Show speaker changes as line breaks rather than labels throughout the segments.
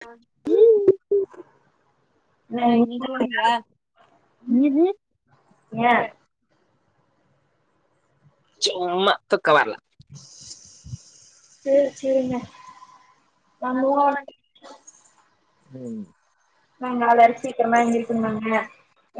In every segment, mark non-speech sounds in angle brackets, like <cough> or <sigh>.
ஆ
ஏ
ந நீ தூங்குவியா ஏ சும்மா தூக்கோ வர்ல
சேர் சேரிங்க நா
நாங்க ஓட்
வாங்க எல்லாரோ சீக்குரமா எந்திருக்கணுமாங்க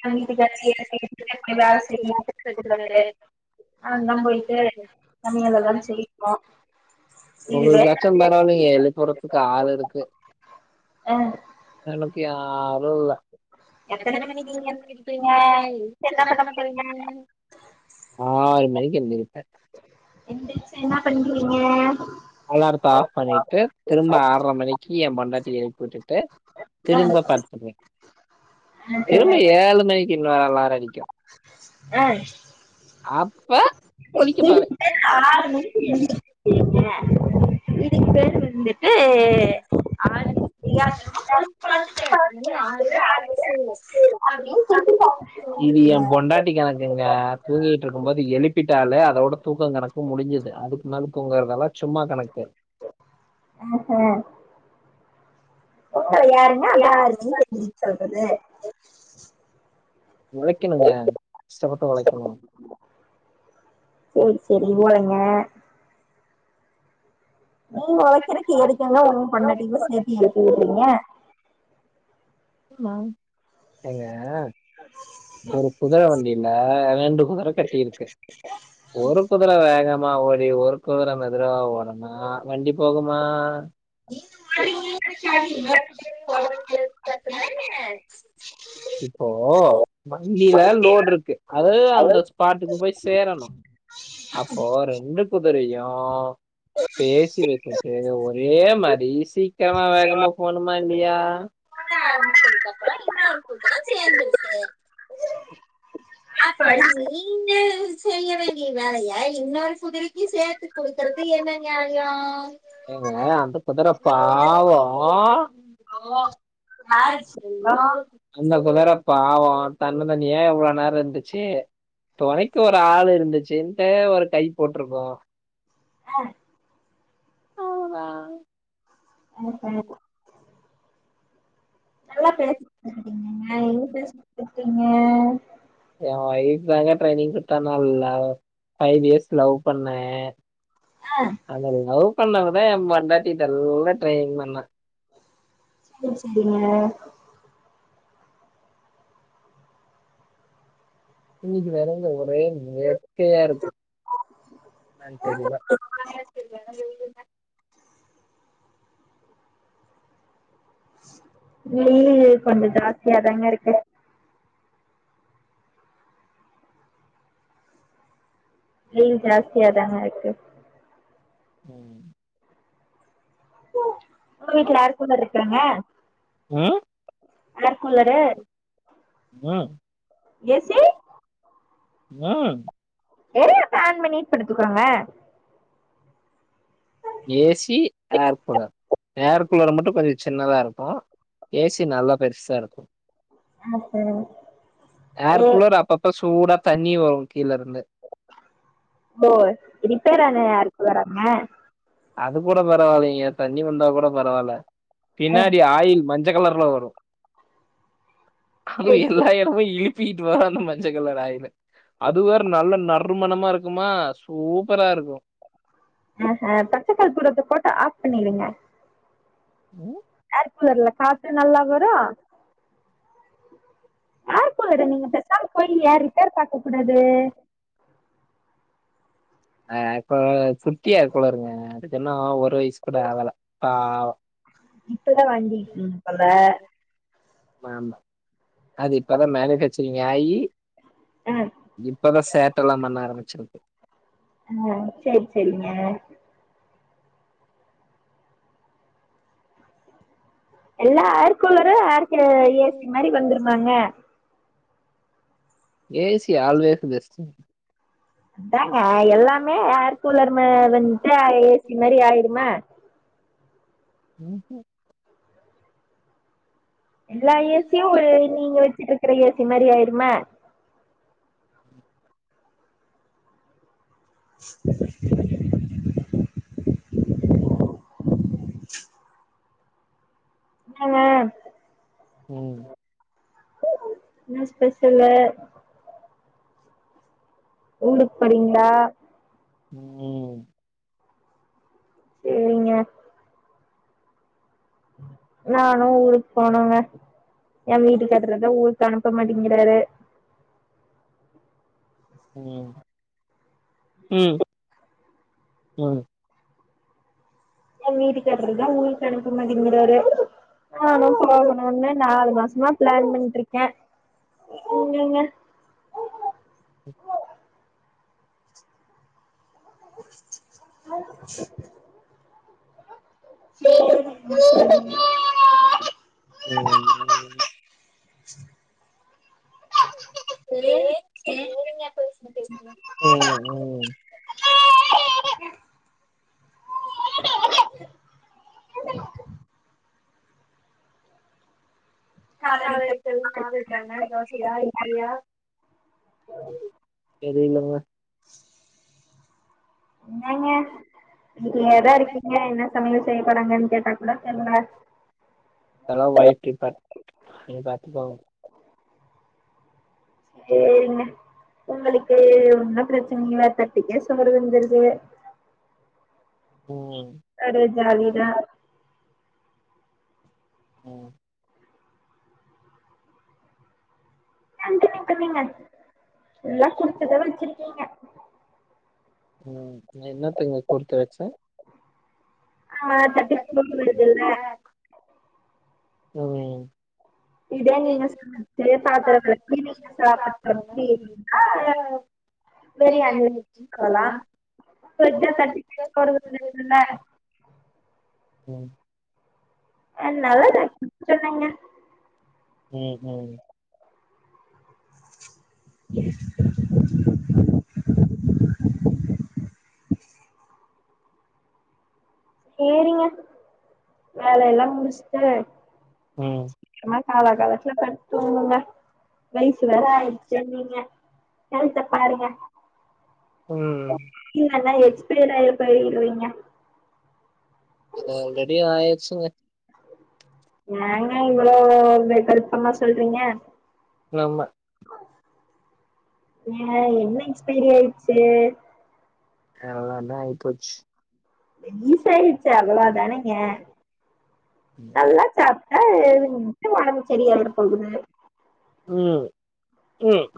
ஏங் வீட்டுக்கார்ரு எத செய்யறத்துன்னு தெரியாத நீ வேல செய்யி அப்டின்னு போய்டுவாரு அந்த போய்ட்டு <unintelligible> சொல்லி
உங்களுக்காச்சும் பரவாலெங்க எழுப்பி உட்றதுக்கு ஆள் இருக்கு
ஆ
எனக்கு யாரு இல்ல எத்தன மணிக்கி நீங்க எந்திருப்பீங்க எந்னிச்சு என்ன பண்ண பைய ஆறு மணிக்கு எந்திருப்ப
எந்துருச்சு என்ன பண்ணுவீங்க
அலாரத்த ஆஃப் பண்ணிட்டு திரும்ப ஆற்ர மணிக்கு ஏ பொண்டாட்டிய எழுப்பி வுட்டுட்டு
ஆ
திரும்ப பத்துடுவே
ஆ
திரும்ப
சரி.
ஏழு மணிக்கு இன்னோரு அலாரோ அடிக்கு
ஏய்
அப்ப குளிக்க
<inaudible>
பாவேன்
இதுக்கு பேர் வந்துட்டு ட்டு ஆ
<inaudible> மணி ஆறு தா ஆச்சுங்க
அப்படின்னு சொல்லிட்டு
<inaudible> இது ஏ பொண்டாட்டி கணக்குங்க தூங்கிட்டு இருக்கும் போது எழுப்பிட்டாலே அதோட தூக்கொங் கணக் கு முடிஞ்சது அதுக்கு மேல தூங்கறதெல்லா சும்மா கணக்கு
அஹ்ஹா யாருங்க <inaudible> சொல்றது
ஒழக்கெணுங்க கஷ்டப்பட்டு ஒழக்கெணு
செரி செரி ஓரேங்க நீங்க உ கெணக்கி எதுக்குங்க ஒன்னு பண்ணட்டீ சேப்பி ஏத்து விடுறீங்க
நாங் ஏங்க ஒரு குதுர வண்டில ரெண்டு குதுர கட்டிருக்கு ஒரு குதுர வேகமா ஓடி ஒரு குதுர மெதுரா ஓட்ன மா ஆ வண்டி போகுமா கர்ட்டுதானிங்க இப்போ வண்டியில லோடுருக்கு அது அந்த ஸ்பாட்டுக்கு போய் சேரணு அப்போ ரெண்டு குதுரயு பேசி வெச்சுட்டு ஒரே மா டெய் சி சீக்கரமா வேகமா போனுமா இல்லியா <inaudible> இன்னோரு குதுர சேந்துருச்சு அப்ப நீங்க செய்ய வேண்டிய வேலய இன்னொரு குதிரெக்கி சேத்து குடுக்கறது என்ன நியாயோ ஏங்க அந்த குதிர பாவோ அந்த குதர பாவோ தன்னந்தணியா எவ்ளோ நேரோ இருந்துச்சு தொணைக்கு ஒரு ஆள் இருந்துச்சுன்ட்டு ஒரு கை போட்டிருக்கோ
ஆ
அவ்ளோதா
ஆ ஆ நல்லா பேச கத்துகிட்டீங்கங்க எங்க பேச கத்துகிட்டீங்க
எ ஒய்ஃப் தாங்க ட்ரைனிங் குடுத்தா நல்லா ஃபைவ் இயர்ஸ் லவ் பண்ணே
ஆ
அந்த லவ் பண்ணவதா ஏ பொண்டாட்டிடெல்லா ட்ரெயின் பண்ணா
ம் செரிங்கிங்க
இன்னிக்கி நெறைந்த ஒரே நேர் க்கயா இருக்கு என்னன்னு தெரில
ம் கொஞ்சொ ஜாஸ்தியாதாங்க இருக்கு வெயில் ஜாஸ்தியா தாங்க இருக்கு
ம்
உங்க வீட்ல யாருக்கு மார்ருக்காங்க
ம்
கூலரு
ம்
ஏ சிரி
மேம்
<unintelligible> ப்ளான் பண்ணி படுத்துக்கோங்க
A C air cooler air கூலர மட்டு கொஞ்சோ சின்னதா இருக்கோ ஏ சி நல்லா பெருசா இருக்கூ
அமைச்சரு
ஏர் கூலர் அப்பப்ப சூடா தண்ணி வரு கீழ இருந்து
ஓ ரிப்பேரான ஏர் கூலராங்க
அது கூட பரவால்லேங்க தண்ணி வந்தா கூட பரவால்ல
ஆ
பின்னாடி
சேரி
ஆயில் மஞ் ஞ்ச கலர்ல வரு அது
சேரி
எல்லா எடமு இ இலுப்பிட்டு வரு அந்த மஞ்சள் கலர் ஆயிலு அது ஒரு நல்ல நறு மணமா இருக்குமா சூப்பரா இருக்கூ
அஹ பச்சக்கற்பூரத்த போட்டு ஆஃப் பண்ணிருங்க
ம்
ஏர் கூலர்ல காத்து நல்லா வரு ஏர் கூலர் நீங்க பெசாம போய் ஏ ரிப்பேர் பாக்க கூடாது
அ இப்போ குட்டி ஏர் கூலருங்க அதுக்கின்னு ஒரு வயிஸ் கூட ஆவல பாவோ
இப்பதா வாங்கிருக்கீங் போல
மாமா அது இப்பதா மேனுஃபேக்சரிங் ஆயி
ஆ
இப்பதா சேட்டலா பண்ண ஆரம்பிச்சிருக்கு
நோ சேர் சேரிங்க எல்லா ஏர் கூலரு ஏர்க்குல ஏ சி மாரி வந்துருமாங்க
ஏ சி ஆல்வேஸு பெஸ்ட்டு
அதாங்க எல்லாமே ஏர் கூலர் ம வந்ட்டா ஏ சி மேரி ஆயிருமா
ம்ஹு
எல்லா ஏ சி யு ஒரு நீங்க வெச்சிட்ருக்ற ஏசி மாரி ஆயிருமா
ம்
<inaudible> ஹலோ
ம்
என்ன ஸ்பெஷல்லு ஊருக் போறீங்ளா
ம் ம்
சே நானு ஊருக் போனுங்க எ வீட்டுக்காரரு தா ஊருக்கு அனுப்ப மாட்டங்கிறாரு
ம் ம் ம்
எங்க வீட்டுக் அப்பிடிதா ஊருக்கு அனுப்ப மாட்டங்கிறாரு நானு போகணுன்னு நாலு மாசமா ப்ளான் பண்ணிட்ருக்கே எங்கங்க <inaudible> <inaudible>
ம் இல்லங்க தோழி ம்
<inaudible>
ம்
காலடிக்க
ஹாய் தேங் மாரி இருக்காங்க தோசையா, இட்லியா, தெரிலங்க.
என்னங்க இங்கயேதா இருக்கீங்க என்ன சமையல் செய்யப்போறாங்கன் கேட்டா கூட தெரில.
அதெல்லாம் வைஃப் டிபன் அவுங்களே பாத்துபாங்க.
சேரிங்க உங்களுக்கு ஒன்னும் பிரச்சன இல்ல தட்டிக்கே சோறு வந்துருது.
உம்.
ஒரே ஜாலிதா
உம்.
<unintelligible> எல்லா குடுத்துதா வச்சுருக்கீங்க.
உம் என்னத்துங்க குடுத்து வச்ச?
அ தட்டுக்கு சோறு வருதுல
உம்
இத நீங்க சமைச்சு பாத்திர விளக்கி வீட்ல சாப்பாடு சமச்சிருந்தா நல்லா... பிரியாணி சொல்லலா, பசிச்சா தட்டுக்கே சோறு வந்துறுதுல.
ம்
அ நல்ல <unintelligible> சொல்லுங்க
உம் உம்.
உம். சேரிங்க வேலயெல்லா முடிஷட்டு
ம்
சீக்கிரமா காலா காலத்துல படுத் தூங்குங்க வயசு வேற ஆயிடுச்சுனிங்க வருத்தபடாதிங்க.
ம்
இல்லனா எக்ஸ்ப்ரீட்ஆய் போய்டுவீங்க.
அது ஆல்ரடி ஆயாச்சுங்க.
ஏங்க நீங்க வேற இந்த கஷ்டமா சொல்றீங்க.
லம்ம
ஏ, என்ன எக்ஸ்பைரி ஆயிடுச்சு?
எல்லோண்ணா ஆயிப்போச்சு.
யிசாய்டுச்சு, அவ்ளோ தானேங்க. நல்லா சாப்ட்டா <unintelligible> ஒடம்பு செரியாயிட போகுது
உம் உம்.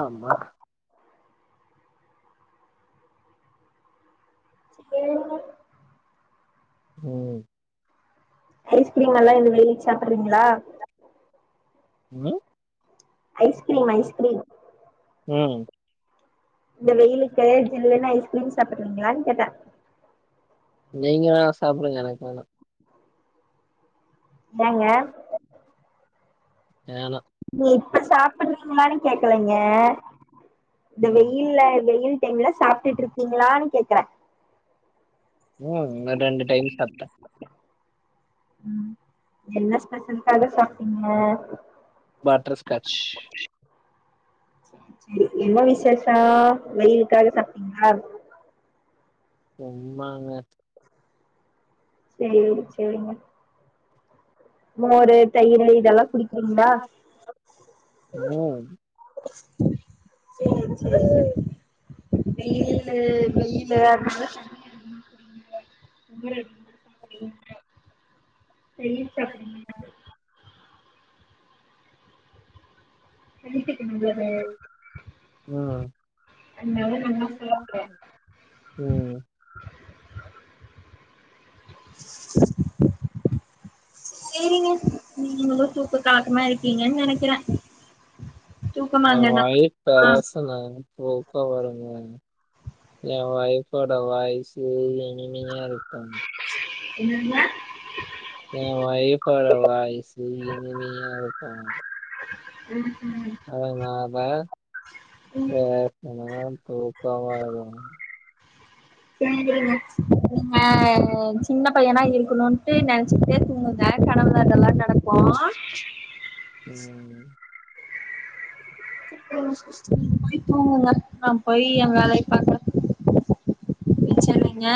ஆமா
ஏங்க...
உம்.
ஐஸ்கிரீமெல்லா இந்த வெயிலுக் சாப்பிட்றீங்களா?
உம்.
Ice cream, ice cream.
உம்..
இந்த வெயிலுக்கு ஜில்லுன்னு ஐஸ்கிரீம் சாப்றீங்களானு கேட்டே?
நீங்க வேணா சாப்டுங்க எனக் வேணா
வாங்க.
வேணா.
நீ இப்ப சாப்றீங்களான்னு கேக்கலங்க இந்த
ம்
வெயில்ல வெயில்... நீங்களும் சாப்டுட்டு இருக்கிங்களான்னு கேக்குறே.
உம் ரெண்டு ரெண்டு டைம் சாப்டே.
உம் என்ன ஸ்பெஷல்காக சாப்டீங்க.
பட்டர்ஸ்காட்ச்.
என்ன விசேஷோ வெயிலுக்காக சாப்டீங்களா?
சும்மாங்க.
சேரி சேரிங்க மோரு தயிரு இதெல்லா குடிக்கிறீங்ளா
ம்
சேரி சேரி வெயிலு வெயிலு அதனால குமர சாப்டுங்க தயிர் சாப்பிடுங்க நைட்டுக்கு என்னது
அது
அதனால நல்லா சாப்டுறே
ம்
சேரிங்க நீங்களு தூக்கோ கலக்கமா இருக்கீங்கன்னு நினைக்கிறே
எ ஒய்ஃப்
ஆ
பேசுனாதா தூக்கோ வருங்க ஏ வைஃபோட வாய்சு இனிமையா இருக்கனு
என்னங்க
என ஒய்ஃபோட வாய்ஸ் இனிமையா இருக்கனு
ம் ம்
அதனால பேசுனா தூக்கோ வரு
சேரிங்க ஆ சின்ன பையனா இருக்கணுன்ட்டு நனச் சிட்டே தூங்குங்க கணவுள இதெல்லா நடக்கு
ம்
போய் தூங்குங்க நா போய் என் வேலய பாக்குறே என்ன சொன்னீங்க